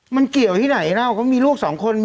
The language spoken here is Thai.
มันเกี่ยวที่ไหนเล่าเขามีลูกสองคน